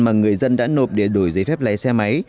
mà người dân đã nộp để đổi giấy phép lái xe máy